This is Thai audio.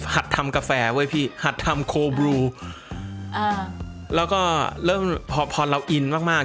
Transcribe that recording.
ทำกาแฟเว้ยพี่หัดทำโคบลูอ่าแล้วก็เริ่มพอพอเราอินมากมาก